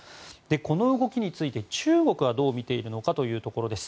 この動きについて中国はどう見ているのかというところです。